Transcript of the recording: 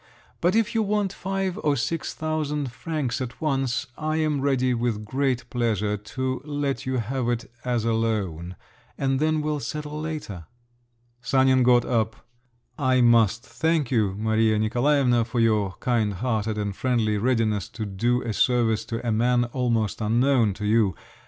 But if you want five or six thousand francs at once, I am ready with great pleasure to let you have it as a loan, and then we'll settle later." Sanin got up. "I must thank you, Maria Nikolaevna, for your kindhearted and friendly readiness to do a service to a man almost unknown to you.